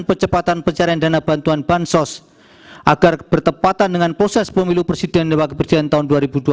percepatan pencarian dana bantuan bansos agar bertepatan dengan proses pemilu presiden dan wakil presiden tahun dua ribu dua puluh